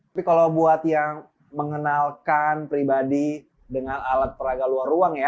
tapi kalau buat yang mengenalkan pribadi dengan alat peraga luar ruang ya